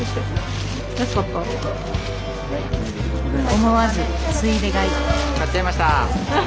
思わずついで買い。